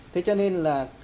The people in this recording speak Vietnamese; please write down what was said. thế cho nên là